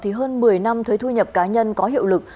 thì hơn một mươi năm thuế thu nhập cá nhân có hiệu lực